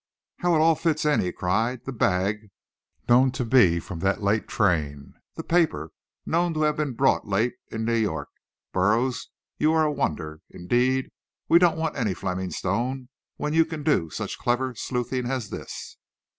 "How it all fits in!" he cried. "The bag, known to be from that late train; the paper, known to have been bought late in New York! Burroughs, you're a wonder! Indeed, we don't want any Fleming Stone, when you can do such clever sleuthing as this."